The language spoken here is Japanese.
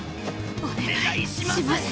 お願いします。